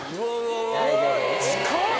近っ！